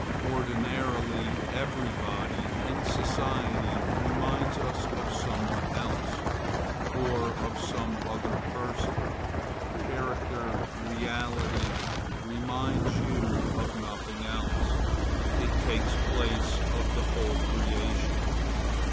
Ordinarily, every body in society reminds us of somewhat else, or of some other person. Character, reality, reminds you of nothing else; it takes place of the whole creation.